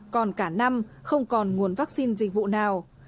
còn cả năm không còn nguồn vaccine dịch vụ nào